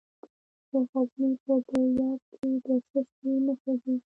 د غزني په ده یک کې د څه شي نښې دي؟